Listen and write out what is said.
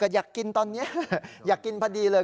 อยากกินตอนนี้อยากกินพอดีเลย